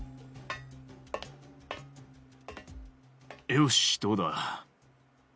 よしどうだ？